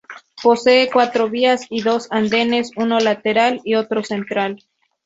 Posee cuatro vías y dos andenes uno lateral y otro central.